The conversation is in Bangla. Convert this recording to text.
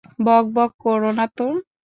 বকবক করো না তো!